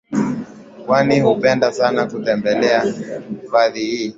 kwani hupenda sana kutembelea hifadhi hii